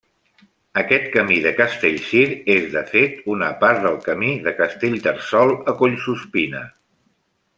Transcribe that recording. Aquest camí de Castellcir és, de fet, una part del Camí de Castellterçol a Collsuspina.